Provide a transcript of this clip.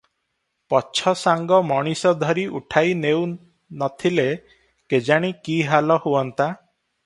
ପଛ ସାଙ୍ଗ ମଣିଷ ଧରି ଉଠାଇ ନେଉ ନ ଥିଲେ କେଜାଣି କି ହାଲ ହୁଅନ୍ତା!